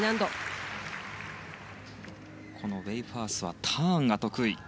ウェイファースはターンが得意。